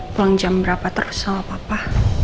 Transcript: pulang jam berapa terus sama papa